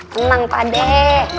tenang pak deh